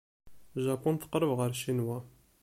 Japun teqreb ɣer Ccinwa.